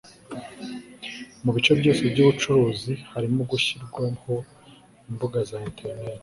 mu bice byose by'ubucuruzi - harimo gushyirwaho imbuga za interineti